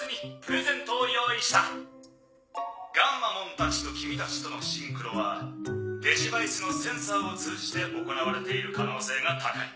ガンマモンたちと君たちとのシンクロはデジヴァイスのセンサーを通じて行われている可能性が高い。